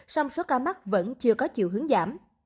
song số ca mắc vẫn chưa có chiều hướng giảm